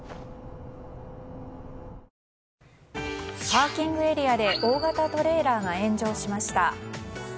パーキングエリアで大型トレーラーが炎上しました。